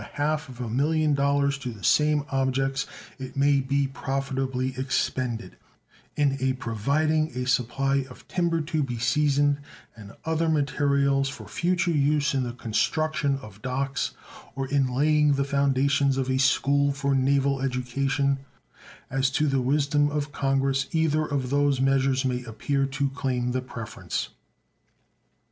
5 millions to the same objects, it may be profitably expended in a providing a supply of timber to be seasoned and other materials for future use in the construction of docks or in laying the foundations of a school for naval education, as to the wisdom of Congress either of those measures may appear to claim the preference.